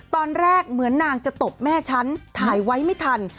ตอนแรกเหมือนนางจะตบแม่ฉันถ่ายไว้ไม่ทัน